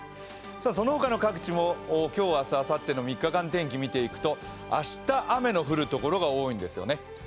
そのほかの各地も今日、明日、あさっての３日間天気を見ていくと明日、雨の降る所が多いんですね。